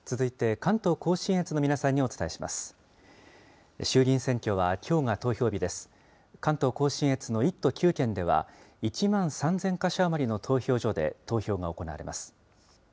関東甲信越の１都９県では、１３００か所余りの投票所で投票が行われます。